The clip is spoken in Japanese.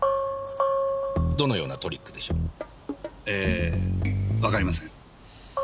どのようなトリックでしょう？えわかりません。